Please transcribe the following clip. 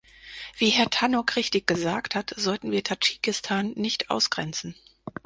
Wie Herr Tannock richtig gesagt hat, sollten wir Tadschikistan nicht ausgrenzen.